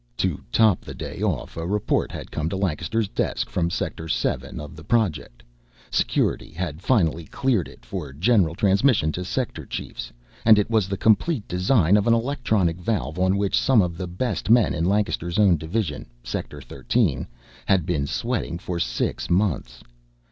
To top the day off, a report had come to Lancaster's desk from Sector Seven of the Project. Security had finally cleared it for general transmission to sector chiefs and it was the complete design of an electronic valve on which some of the best men in Lancaster's own division, Sector Thirteen, had been sweating for six months.